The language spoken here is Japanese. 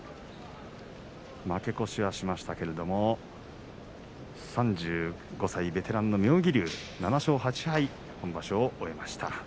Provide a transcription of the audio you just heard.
負け越しはしましたけれども３５歳ベテランの妙義龍７勝８敗で今場所を終えました。